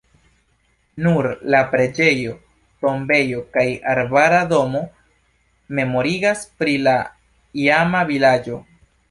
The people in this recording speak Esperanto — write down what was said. Nur la preĝejo, tombejo kaj arbara domo memorigas pri la iama vilaĝo.